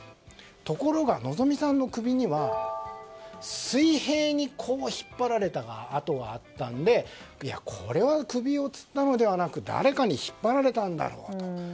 ところが、のぞみさんの首には水平に引っ張られた痕があったのでこれは首をつったのではなく誰かに引っ張られたんだろうと。